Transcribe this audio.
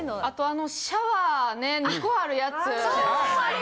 あとあのシャワーね２個あるやつ。